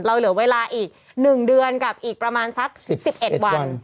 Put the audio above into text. เหลือเวลาอีก๑เดือนกับอีกประมาณสัก๑๑วัน